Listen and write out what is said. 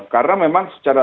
karena memang secara